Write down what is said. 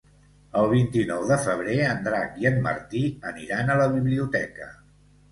El vint-i-nou de febrer en Drac i en Martí aniran a la biblioteca.